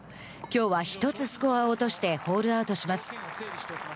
きょうは、１つスコアを落としてホールアウトします。